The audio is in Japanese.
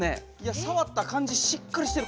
さわったかんじしっかりしてる。